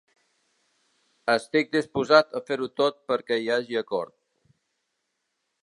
Estic disposat a fer-ho tot perquè hi hagi acord.